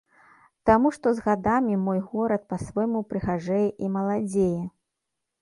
Таму што з гадамі мой горад па-свойму прыгажэе і маладзее.